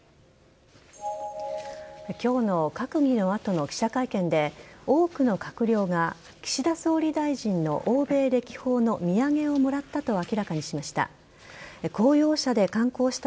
きょうの閣議のあとの記者会見で、多くの閣僚が岸田総理大臣の欧米歴訪の土産をもらったと明らかにしました。